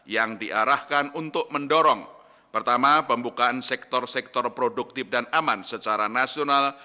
yang diarahkan untuk mendorong pertama pembukaan sektor sektor produktif dan aman secara nasional